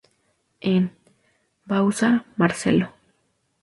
En: Bauzá Marcelo.